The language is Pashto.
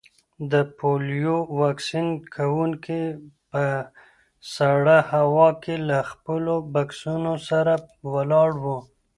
د پولیو واکسین کونکي په سړه هوا کې له خپلو بکسونو سره ولاړ وو.